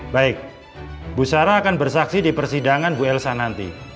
baik bu sarah akan bersaksi di persidangan bu elsa nanti